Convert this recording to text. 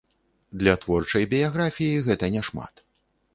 Для творчай біяграфіі гэта няшмат.